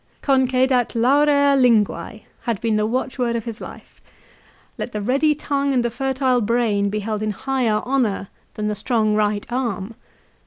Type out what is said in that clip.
" Concedat laurea linguae " had been the watchword of his life. " Let the ready tongue and the fertile brain be held in higher honour than the strong right arm."